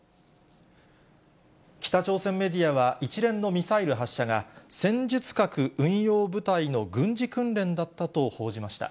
北朝鮮メディアは、一連のミサイル発射が、戦術核運用部隊の軍事訓練だったと報じました。